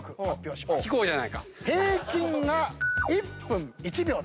平均が１分１秒です。